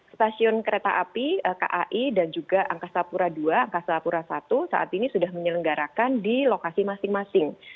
stasiun kereta api kai dan juga angkasa pura ii angkasa pura i saat ini sudah menyelenggarakan di lokasi masing masing